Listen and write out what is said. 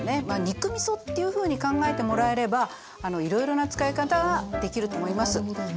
まあ肉みそっていうふうに考えてもらえればいろいろな使い方ができると思います。